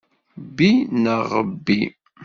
Bbi, neɣ ɣebbi.